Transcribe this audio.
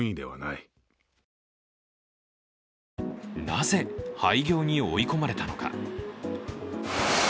なぜ廃業に追い込まれたのか。